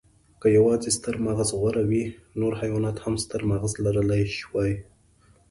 که یواځې ستر مغز غوره وی، نورو حیواناتو هم ستر مغز لرلی شوی.